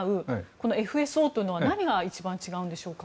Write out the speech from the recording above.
このＦＳＯというのは何が一番違うのでしょうか。